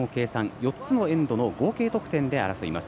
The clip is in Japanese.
４つのエンドの合計得点で争います。